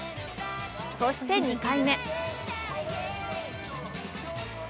そして２回目。